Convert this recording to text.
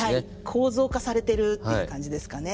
構造化されてるっていう感じですかね。